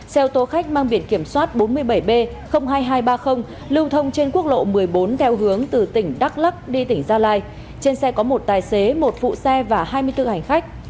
xe ô tô khách mang biển kiểm soát bốn mươi bảy b hai nghìn hai trăm ba mươi lưu thông trên quốc lộ một mươi bốn theo hướng từ tỉnh đắk lắc đi tỉnh gia lai trên xe có một tài xế một phụ xe và hai mươi bốn hành khách